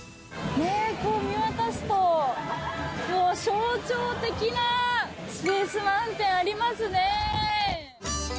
見渡すと、もう象徴的なスペース・マウンテン、ありますね。